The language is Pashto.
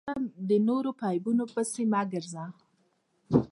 هېڅکله د نورو په عیبو پيسي مه ګرځه!